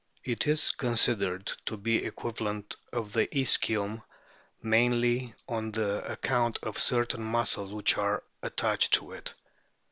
It is considered to be the equivalent of the ischium, mainly on account of certain muscles which are attached to it.